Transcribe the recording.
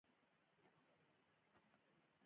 رسوب د افغانستان په طبیعت کې یو مهم رول لري.